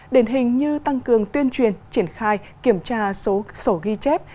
đền hình như tăng cường tuyên truyền triển khai kiểm tra số sổ ghi chép